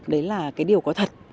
đấy là cái điều có thật